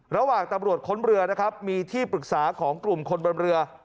ระหว่างตำรวจค้นเรือนะครับมีที่ปรึกษาของกลุ่มคนบนเรือ